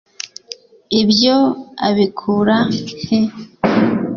ibyo abikura he